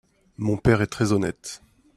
Mon père est très honnête.